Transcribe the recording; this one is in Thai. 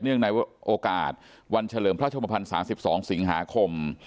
ในโอกาสวันเฉลิมพระชมพันธ์๓๒สิงหาคม